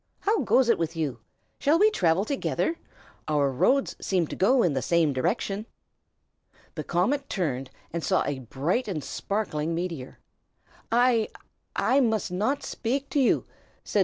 "How goes it with you? Shall we travel together? Our roads seem to go in the same direction." The comet turned and saw a bright and sparkling meteor. "I I must not speak to you!" said No.